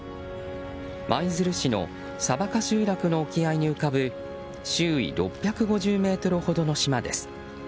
舞鶴市の沖合に浮かぶ周囲６５０ｍほどの島です。